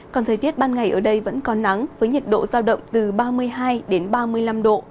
còn thời tiết ban ngày ở đây vẫn có nắng với nhiệt độ giao động từ ba mươi hai ba mươi năm độ